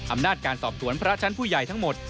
อำนาจการสอบสวนพระชั้นผู้ใหญ่ทั้งหมด